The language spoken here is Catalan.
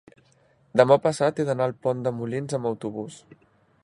demà passat he d'anar a Pont de Molins amb autobús.